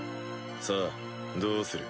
さあどうする？